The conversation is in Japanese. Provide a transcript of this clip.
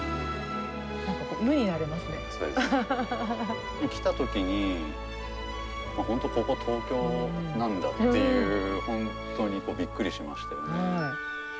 そうです。来たときに、本当、ここ、東京なんだっていう、本当にびっくりしましたよね。